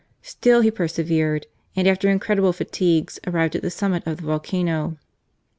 Still he persevered and, after incredible fatigues, arrived at the summit of the volcano.